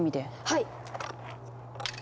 はい！